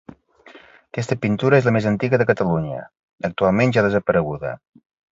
Aquesta pintura és la més antiga de Catalunya, actualment ja desapareguda.